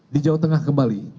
di jawa tengah kembali